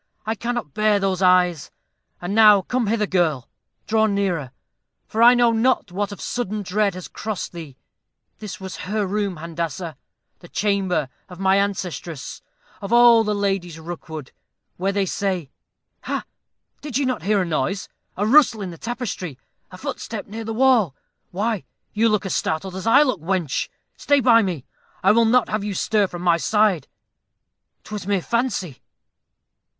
I cannot bear those eyes. And now come hither, girl draw nearer for I know not what of sudden dread has crossed me. This was her room, Handassah the chamber of my ancestress of all the Ladies Rookwood where they say Ha! did you not hear a noise? a rustle in the tapestry a footstep near the wall? Why, you look as startled as I look, wench; stay by me I will not have you stir from my side 'twas mere fancy."